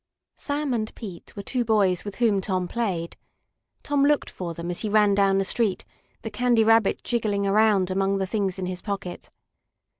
Sam and Pete were two boys with whom Tom played. Tom looked for them as he ran down the street, the Candy Rabbit jiggling around among the things in his pocket.